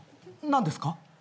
何ですか？